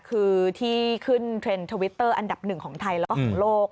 คือที่ขึ้นเทรนด์ทวิตเตอร์อันดับหนึ่งของไทยแล้วก็ของโลก